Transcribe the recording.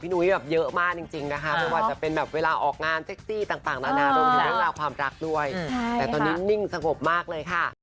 โดยมีเรื่องราวความรักด้วยแต่ตอนนี้นิ่งสงบมากเลยค่ะ